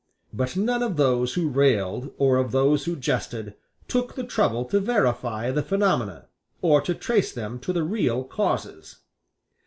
But none of those who railed or of those who jested took the trouble to verify the phaenomena, or to trace them to the real causes.